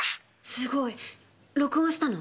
すごい録音したの？